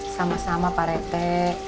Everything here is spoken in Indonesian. sama sama pak rete